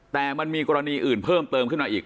แต่มันมีกรณีอื่นเพิ่มเติมขึ้นมาอีก